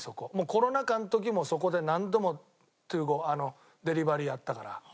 コロナ禍の時もそこで何度もＴｏＧｏデリバリーあったから。